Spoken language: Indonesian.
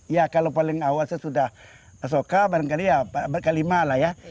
ya kalau paling awal sudah asoka barangkali abad ke lima lah ya